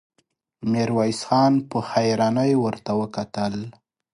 ميرويس خان په حيرانۍ ورته وکتل.